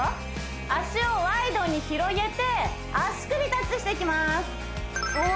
足をワイドに広げて足首タッチしていきますわ